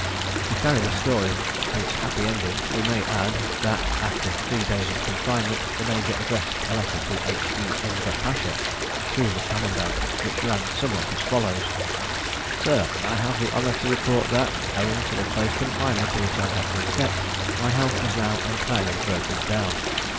To carry the story to its happy ending, we may add that, after three days of confinement, the major addressed a letter to H.E. Enver Pasha through the commandant, which ran somewhat as follows: "SIR, I have the honour to report that, owing to the close confinement in which I have been kept, my health has now entirely broken down.